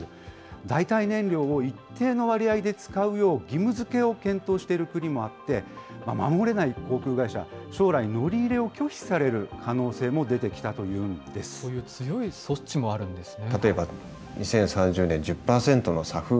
代替燃料を一定の割合で使うよう義務づけを検討している国もあって、守れない航空会社は将来、乗り入れを拒否される可能性も出てそういう強い措置もあるんですね。